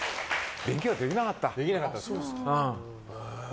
勉強はできなかった。